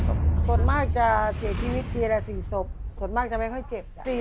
ส่วนมากจะเสียชีวิตปีละ๔ศพส่วนมากจะไม่ค่อยเจ็บ